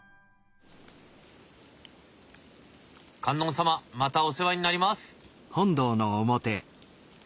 観音様またお世話になります。